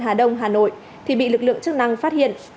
hà đông hà nội thì bị lực lượng chức năng phát hiện